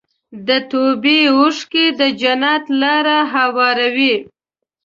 د توبې اوښکې د جنت لاره هواروي.